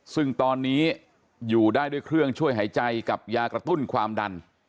ซึ่งตอนนี้อยู่ได้ด้วยเครื่องช่วยหายใจกับยากระตุ้นความดัน